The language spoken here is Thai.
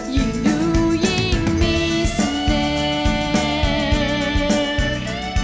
อยากจะได้แอบอิ่ง